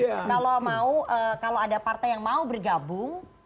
kalau ada partai yang mau bergabung